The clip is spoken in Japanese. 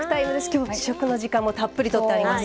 今日は試食の時間もたっぷりとってあります。